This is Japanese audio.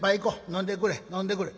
飲んでくれ飲んでくれ」。